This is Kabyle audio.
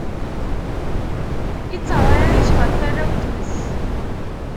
Itteṛɛiɛic ɣef warraw n tmes.